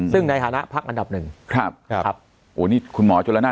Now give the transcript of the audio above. แต่ถ้าไม่ผ่านรอบ๒เป็นความชอบทำ